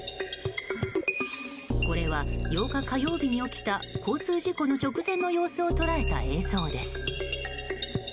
これは、８日火曜日に起きた交通事故の直前の様子を捉えた映像です。